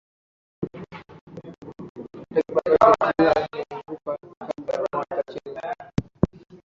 Takriban watu elfu ishirini na nane hufa kila mwaka nchini Uganda